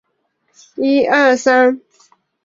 永安博特溪蟹为溪蟹科博特溪蟹属的动物。